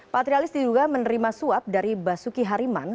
patrialis diduga menerima suap dari basuki hariman